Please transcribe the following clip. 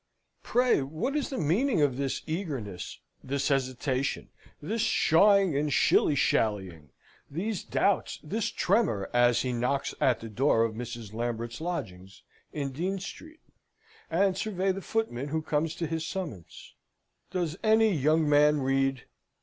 Pray what is the meaning of this eagerness, this hesitation, this pshaing and shilly shallying, these doubts, this tremor as he knocks at the door of Mr. Lambert's lodgings in Dean Street, and survey the footman who comes to his summons? Does any young man read?